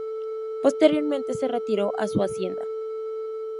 Posteriormente se retiró a su hacienda.